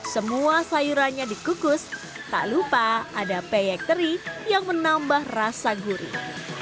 semua sayurannya dikukus tak lupa ada peyek teri yang menambah rasa gurih